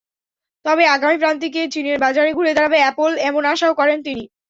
তবে আগামী প্রান্তিকে চীনের বাজারে ঘুরে দাঁড়াবে অ্যাপল, এমন আশাও করেন তিনি।